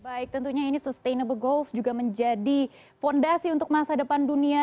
baik tentunya ini sustainable goals juga menjadi fondasi untuk masa depan dunia